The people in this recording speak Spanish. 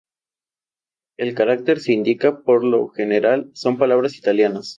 El carácter se indica, por lo general, con palabras italianas.